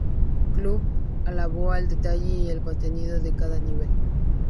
Club" alabó el detalle y el contenido de cada nivel.